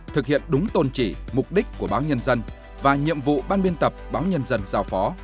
thực hiện đúng tôn trị mục đích của báo nhân dân và nhiệm vụ ban biên tập báo nhân dân giao phó